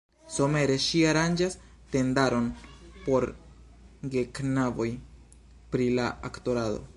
Somere ŝi aranĝas tendaron por geknaboj pri la aktorado.